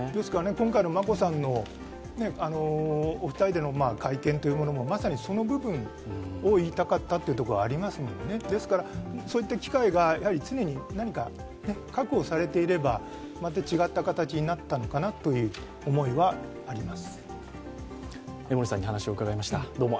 今回の眞子さんのお二人での会見というものも、まさにその部分を言いたかったというのがありますのでね、ですから、そういった機会が常に何か確保されていれば、また違った形になったのかなという思いはあります。